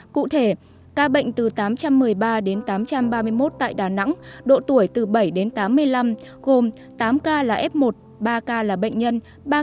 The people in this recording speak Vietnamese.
cụ thể ca bệnh từ tám trăm một mươi ba đến tám trăm ba mươi một tại đà nẵng độ tuổi từ bảy đến tám mươi năm gồm tám ca là f một ba ca là bệnh nhân